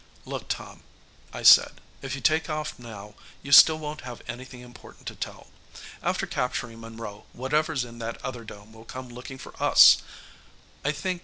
"Look, Tom," I said, "if you take off now, you still won't have anything important to tell. After capturing Monroe, whatever's in that other dome will come looking for us, I think.